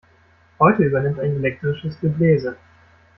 Heute übernimmt ein elektrisches Gebläse.